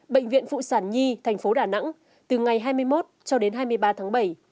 bệnh viện phụ sản nhi thành phố đà nẵng từ ngày hai mươi một cho đến hai mươi ba tháng bảy